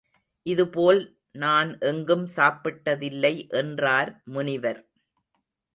இதுபோல் நான் எங்கும் சாப்பிட்டதில்லை என்றார் முனிவர்.